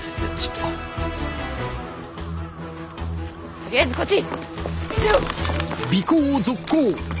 とりあえずこっち！